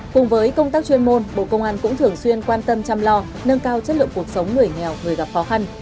cùng với công tác chuyên môn bộ công an cũng thường xuyên quan tâm chăm lo nâng cao chất lượng cuộc sống người nghèo người gặp khó khăn